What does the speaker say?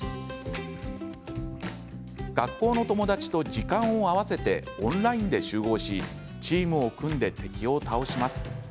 学校の友達と時間を合わせてオンラインで集合しチームを組んで敵を倒します。